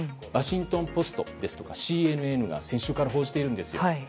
ワシントン・ポストやＣＮＮが先週から報じているんですよ。